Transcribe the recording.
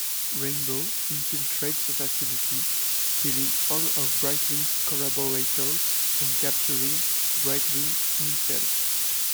Rainbow infiltrates the facility, killing all of Brightling's collaborators and capturing Brightling himself.